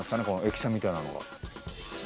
駅舎みたいなのが。